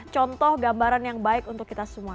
contoh gambaran yang baik untuk kita semua